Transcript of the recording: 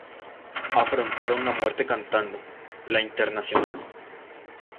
Afrontaron la muerte cantando "La Internacional".